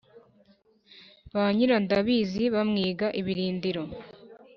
Ba nyirandabizi bamwiga ibirindiro